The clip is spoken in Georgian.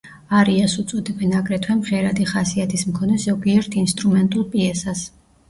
არიას უწოდებენ აგრეთვე მღერადი ხასიათის მქონე ზოგიერთ ინსტრუმენტულ პიესას.